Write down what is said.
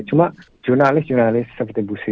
cuma jurnalis jurnalis seperti bu sri